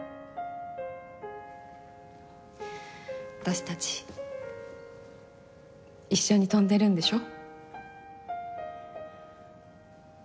私たち一緒に飛んでるんでしょ？